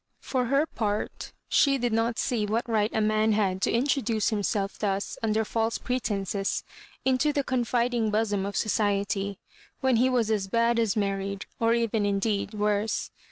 For her part, she did not see what right a mafi had to introduce himself thus under false pre tences into the confiding bosom of society — when he was as bad as married, or even indeed worse.